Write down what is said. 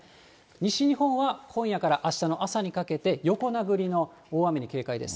西日本は今夜からあしたの朝にかけて横殴りの大雨に警戒です。